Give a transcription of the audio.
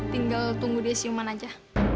tinggal tunggu dia siuman aja